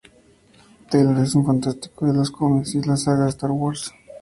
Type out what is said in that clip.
Taylor es un fanático de los cómics y de la saga de "Star Wars".